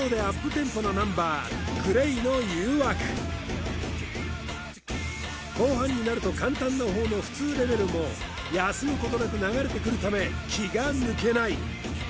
テンポなナンバーＧＬＡＹの「誘惑」後半になると簡単なほうの普通レベルも休むことなく流れてくるため気が抜けない